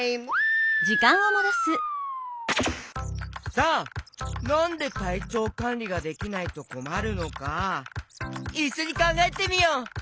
さあなんでたいちょうかんりができないとこまるのかいっしょにかんがえてみよう！